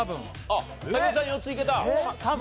あっ武井さん４ついけた？